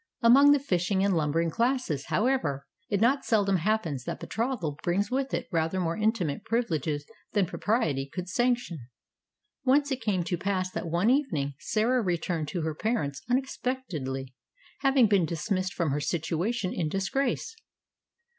Among the fishing and lumbering classes, however, it not seldom happens that betrothal brings with it rather more intimate privileges than propriety could sanction, whence it came to pass that one evening Sarah returned to her parents unexpectedly, having been dismissed from her situation in disgrace.